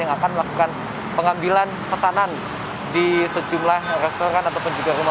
yang akan melakukan pengambilan pesanan di sejumlah restoran ataupun juga rumah